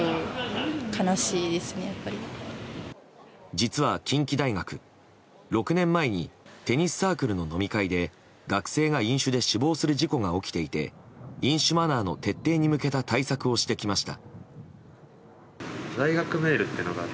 実は近畿大学、６年前にテニスサークルの飲み会で学生が飲酒で死亡する事故が起きていて飲酒マナーの徹底に向けた対策をしてきました。